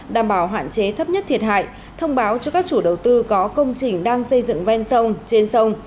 đảm bảo hạn chế thấp nhất thiệt hại thông báo cho các chủ đầu tư có công trình đang xây dựng ven sông trên sông